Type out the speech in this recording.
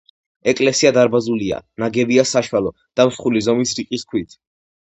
ეკლესია დარბაზულია, ნაგებია საშუალო და მსხვილი ზომის რიყის ქვით.